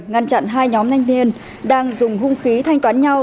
ngăn chặn hai nhóm thanh niên đang dùng hung khí thanh toán nhau